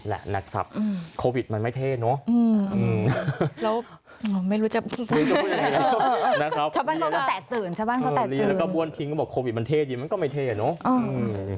แล้วก็บ้วนทิ้งก็บอกโควิดมันเท่จริงมันก็ไม่เท่เนอะ